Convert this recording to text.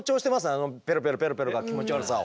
あのペロペロペロペロが気持ち悪さを。